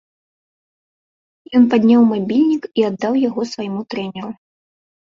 Ён падняў мабільнік і аддаў яго свайму трэнеру.